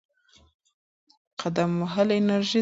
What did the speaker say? قدم وهل انرژي زیاتوي.